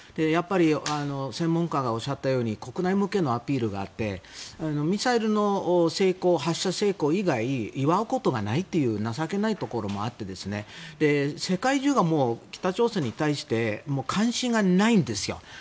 やっぱり専門家がおっしゃったように国内向けのアピールがあってミサイルの発射成功以外祝うことがないという情けないところもあって世界中が北朝鮮に対して関心がないんですよ。